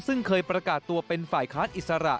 ซึ่งเคยประกาศตัวเป็นฝ่ายค้านอิสระ